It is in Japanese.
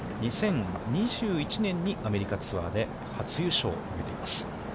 ２０２１年に、アメリカツアーで初優勝を決めています。